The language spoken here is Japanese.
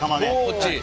こっち。